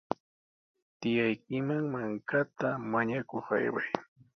Tiyaykiman mankata mañakuq ayway.